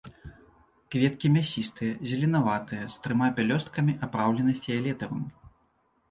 Кветкі мясістыя, зеленаватыя, з трыма пялёсткамі, апраўлены фіялетавым.